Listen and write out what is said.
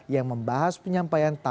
yang membahas penyampaian tprd kendal